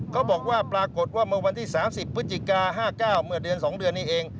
เขาบอกว่าปรากฏว่าเมื่อวันที่๓๐พฤศจิกา๕๙เมื่อเดือน๒เดือนนี้เอง